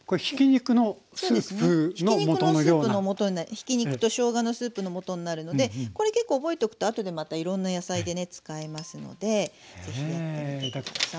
ひき肉としょうがのスープのもとになるのでこれ結構覚えとくと後でまたいろんな野菜でね使えますので是非やってみて下さい。